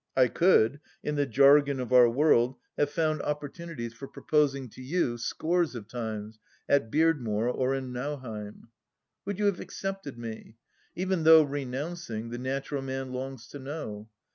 t could, in the jargon of our world, have found opportunities THE LAST DITCH 63 for proposing to you scores of times at Beardmore or in Nauheim. "Would you have accepted me ? Even though renouncing, the natural man longs to know.